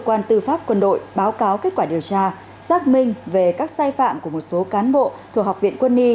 cơ quan tư pháp quân đội báo cáo kết quả điều tra xác minh về các sai phạm của một số cán bộ thuộc học viện quân y